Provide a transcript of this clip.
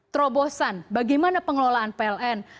terobosan bagaimana pengelolaan pln